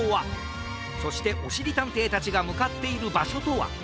そしておしりたんていたちがむかっているばしょとは？